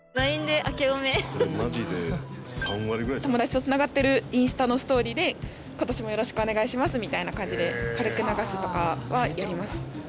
友達と繋がってるインスタのストーリーで今年もよろしくお願いしますみたいな感じで軽く流すとかはやります。